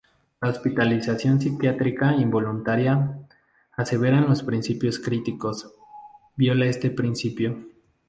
La hospitalización psiquiátrica involuntaria, aseveran los críticos, viola este principio.